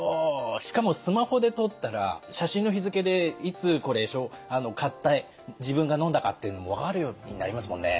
しかもスマホで撮ったら写真の日付でいつこれ買った自分がのんだかっていうのも分かるようになりますもんね。